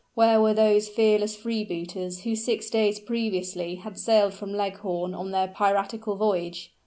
where were those fearless freebooters who six days previously had sailed from Leghorn on their piratical voyage?